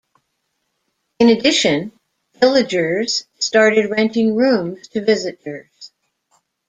In addition, villagers started renting rooms to visitors.